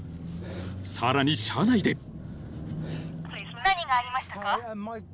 ［さらに車内で］